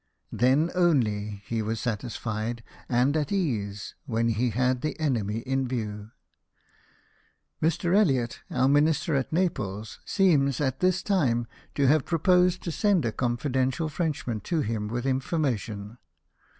Then only he was satisfied, and at ease, when he had the enemy in view. Mr. Elliot, our Minister at Naples, seems, at this time, to have proposed to send a confidential Frenchman to him with information.